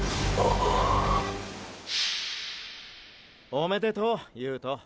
おめでとう悠人。